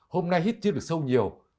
hôm nay hít chưa được sâu nhiều